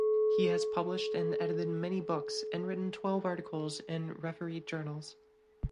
He has published and edited many books and written twelve articles in refereed journals.